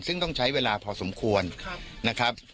ซึ่งต้องใช้เวลาพอสมควรนะครับ